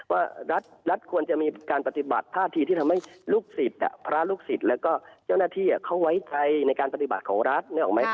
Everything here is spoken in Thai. ว่ารัฐควรจะมีการปฏิบัติท่าทีที่ทำให้ลูกศิษย์พระลูกศิษย์แล้วก็เจ้าหน้าที่เขาไว้ใจในการปฏิบัติของรัฐนึกออกไหม